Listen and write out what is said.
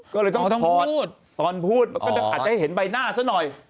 ก็เลยต้องถอดตอนพูดมันก็อาจจะให้เห็นใบหน้าซะหน่อย